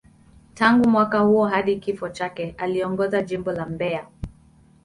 Tangu mwaka huo hadi kifo chake, aliongoza Jimbo la Mbeya.